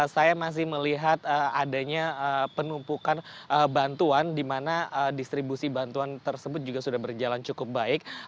saya masih melihat adanya penumpukan bantuan di mana distribusi bantuan tersebut juga sudah berjalan cukup baik